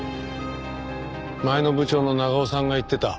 前の部長の長尾さんが言ってた。